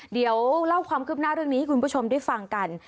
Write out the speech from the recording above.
เดี๋ยวเล่าความคืบหน้าเรื่องนี้ให้คุณผู้ชมได้ฟังกัน